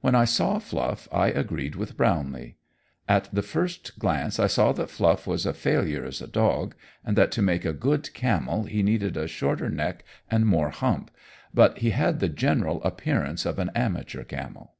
When I saw Fluff I agreed with Brownlee. At the first glance I saw that Fluff was a failure as a dog, and that to make a good camel he needed a shorter neck and more hump, but he had the general appearance of an amateur camel.